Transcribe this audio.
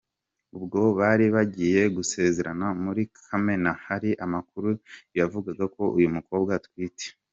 Ubwo bari bagiye gusezerana muri Kamena hari amakuru yavugaga ko uyu mukobwa atwite.